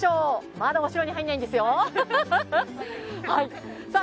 まだお城に入んないんですよさあ